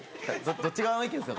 どっち側の意見ですか？